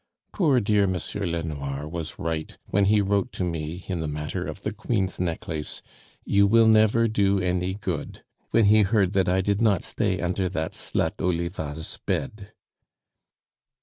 Poor dear M. Lenoir was right when he wrote to me in the matter of the Queen's necklace, 'You will never do any good,' when he heard that I did not stay under that slut Oliva's bed."